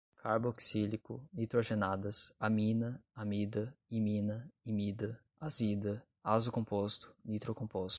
carboxílico, nitrogenadas, amina, amida, imina, imida, azida, azocomposto, nitrocomposto